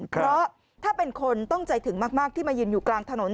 เพราะถ้าเป็นคนต้องใจถึงมากที่มายืนอยู่กลางถนน